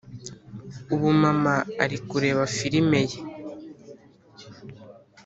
Ubu mama ari kureba firime ye